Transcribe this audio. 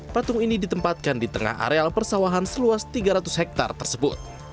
patung ini ditempatkan di tengah areal persawahan seluas tiga ratus hektare tersebut